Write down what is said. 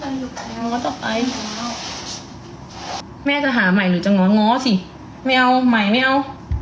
ง้อต่อไปแม่จะหาใหม่หรือจะง้อง้อสิไม่เอาใหม่ไม่เอา